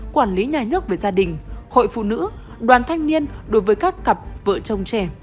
quản lý nhà nước về gia đình hội phụ nữ đoàn thanh niên đối với các cặp vợ chồng trẻ